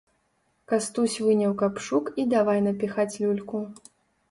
Кастусь выняў капшук і давай напіхаць люльку.